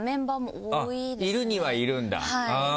いるにはいるんだあぁ